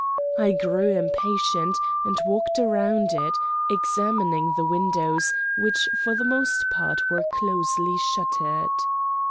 I grew impatient, and walked round it, examining the windows, which for the most part were closely shuttered.